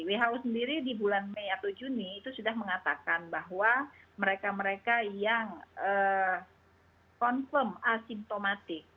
who sendiri di bulan mei atau juni itu sudah mengatakan bahwa mereka mereka yang confirm asimptomatik